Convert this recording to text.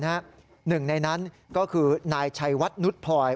หนึ่งในนั้นก็คือนายชัยวัดนุษย์พลอย